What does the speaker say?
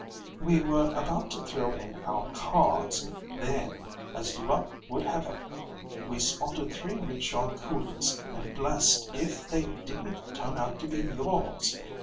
We were about to throw in our cards, then, as luck would have it, we spotted three rickshaw coolies, and blessed if they didn't turn out to be yours.